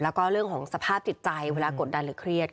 แล้วก็เรื่องของสภาพจิตใจเวลากดดันหรือเครียด